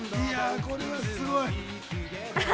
これはすごい。